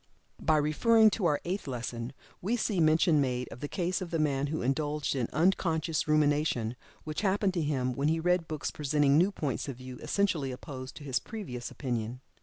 By referring to our Eighth Lesson, we see mention made of the case of the man who indulged in "unconscious rumination," which happened to him when he read books presenting new points of view essentially opposed to his previous opinion.